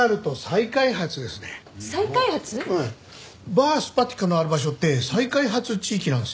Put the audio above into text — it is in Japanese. ＢＡＲＳｐｈａｔｉｋａのある場所って再開発地域なんですよ。